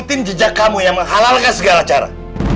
itu kan jejak kamu yang menghalalkan segala cara